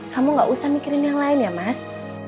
kamu gak usah mikirin yang lain ya mas